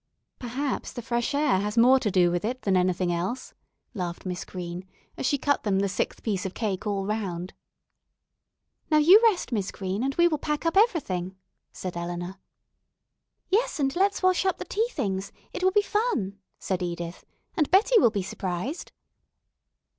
"Perhaps the fresh air has more to do with it than anything else," laughed Miss Green, as she cut them the sixth piece of cake all around. "Now you rest, Miss Green, and we will pack up everything," said Eleanor. "Yes, and let's wash up the tea things. It will be fun," said Edith, "and Betty will be surprised."